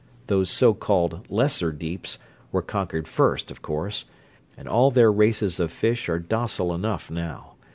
Those so called 'lesser deeps' were conquered first, of course, and all their races of fish are docile enough now.